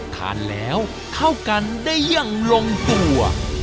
ทานแล้วเข้ากันได้อย่างลงตัว